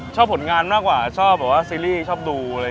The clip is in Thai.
ผลงานมากกว่าชอบแบบว่าซีรีส์ชอบดูอะไร